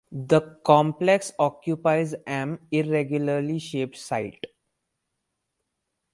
The complex occupies am irregularly shaped site.